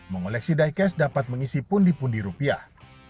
mengoleksi diecast dapat mengisi pundi pundi rupiah